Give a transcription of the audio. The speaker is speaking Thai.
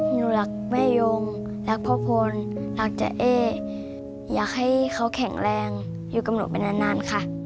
หนูรักแม่ยงรักพ่อพลรักเจ๊เอ๊อยากให้เขาแข็งแรงอยู่กับหนูไปนานค่ะ